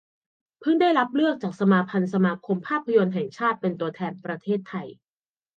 เพิ่งได้รับเลือกจากสมาพันธ์สมาคมภาพยนตร์แห่งชาติ เป็นตัวแทนประเทศไทย